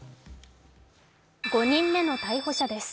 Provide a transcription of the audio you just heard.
５人目の逮捕者です。